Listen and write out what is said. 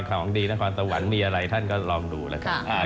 ของดีนครสวรรค์มีอะไรท่านก็ลองดูแล้วกัน